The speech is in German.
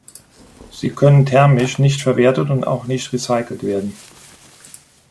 Sie können thermisch nicht verwertet und auch nicht recycelt werden.